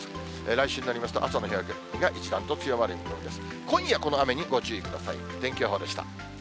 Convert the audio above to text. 来週になりますと、朝の冷え込みが一段と強まる見込みです。